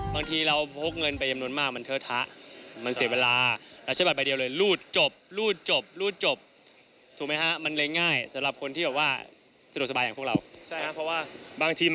บ้านเราส่วนใหญ่พี่ป๊าพี่ป๊อปปี้